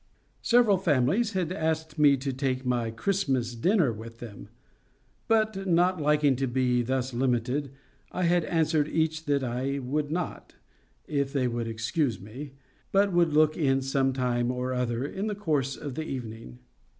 Several families had asked me to take my Christmas dinner with them; but, not liking to be thus limited, I had answered each that I would not, if they would excuse me, but would look in some time or other in the course of the evening.